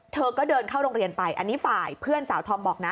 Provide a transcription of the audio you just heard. เธอก็เดินเข้าโรงเรียนไปอันนี้ฝ่ายเพื่อนสาวธอมบอกนะ